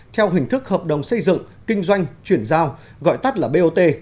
theo hình thức hợp đồng xây dựng kinh doanh chuyển giao gọi tắt là bot